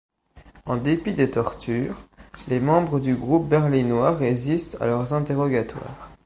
En dépit des tortures, les membres du groupe berlinois résistent à leurs interrogatoires.